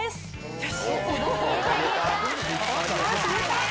よし！